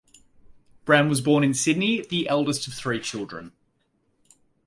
Brown was born in Sydney the eldest of three children.